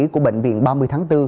của bệnh viện ba mươi tháng bốn